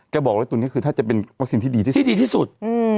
แกบอกว่าตัวนี้คือถ้าจะเป็นวัคซีนที่ดีที่สุด